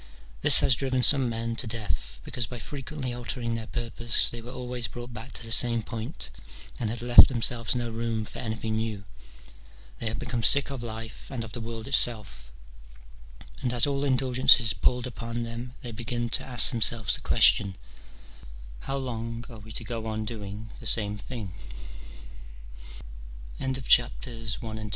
This has driven some men to death, because by frequently altering their purpose they were always brought back to the same point, and had left themselves no room for anything new. They had become sick of life and of the world itself, and as all indulgences palled upon them they began to ask themselves the question, " How long are we to go